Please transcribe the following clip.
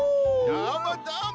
どーもどーも。